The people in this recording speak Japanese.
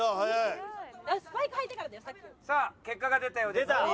さあ結果が出たようです。